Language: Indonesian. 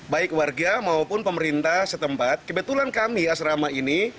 baik warga maupun pemerintah setempat kebetulan kami asrama ini